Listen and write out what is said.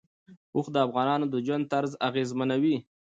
اوښ د افغانانو د ژوند طرز اغېزمنوي.